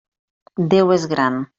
Déu és Gran!